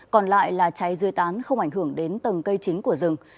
còn lại là cháy dươi tán không ảnh hưởng đến tầng cây chính của rừng